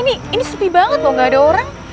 ini ini sepi banget mau gak ada orang